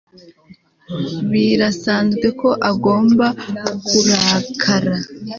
Birasanzwe ko agomba kurakara